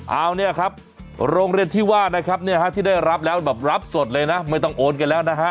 เอาเนี่ยครับโรงเรียนที่ว่านะครับเนี่ยฮะที่ได้รับแล้วแบบรับสดเลยนะไม่ต้องโอนกันแล้วนะฮะ